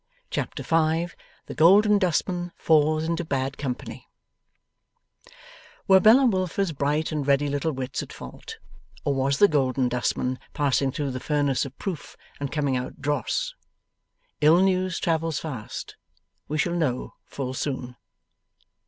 Chapter 5 THE GOLDEN DUSTMAN FALLS INTO BAD COMPANY Were Bella Wilfer's bright and ready little wits at fault, or was the Golden Dustman passing through the furnace of proof and coming out dross? Ill news travels fast. We shall know full soon.